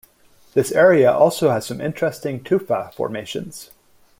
This area also has some interesting tufa formations.